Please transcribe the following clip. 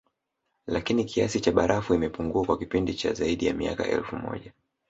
Lakini kiasi cha barafu imepungua kwa kipindi cha zaidi ya miaka elfu moja